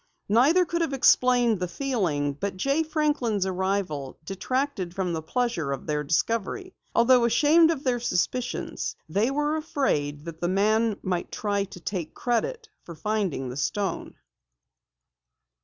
Neither could have explained the feeling, but Jay Franklin's arrival detracted from the pleasure of their discovery. Although ashamed of their suspicions, they were afraid that the man might try to take credit for finding the stone.